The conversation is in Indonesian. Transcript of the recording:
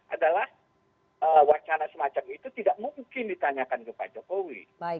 adalah wacana semacam itu tidak mungkin ditanyakan ke pak jokowi